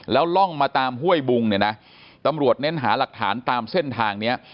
แล้วล่องมาตามห้วยบุงเนี่ยนะตำรวจเน้นหาหลักฐานตามเส้นทางเนี้ย